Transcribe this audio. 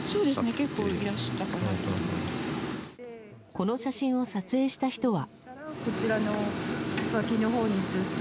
この写真を撮影した人は。